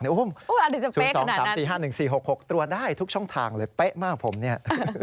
อาจจะเป๊ะขนาดนั้น๐๒๓๔๕๑๔๖๖ตรวจได้ทุกช่องทางเลยเป๊ะมากผมเนี่ย